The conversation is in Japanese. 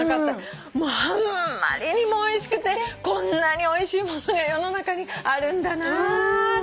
もうあんまりにもおいしくてこんなにおいしいものが世の中にあるんだなぁって。